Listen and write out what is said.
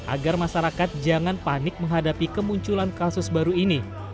agar masyarakat jangan panik menghadapi kemunculan kasus baru ini